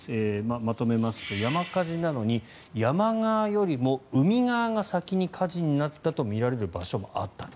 まとめますと、山火事なのに山側よりも海側が先に火事になったとみられる場所もあったと。